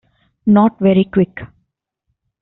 Not very Quick.